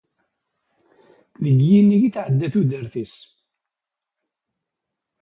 Deg yinig i tɛedda tudert-is.